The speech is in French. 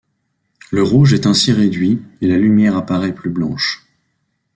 Le rouge est ainsi réduit, et la lumière apparaît plus blanche.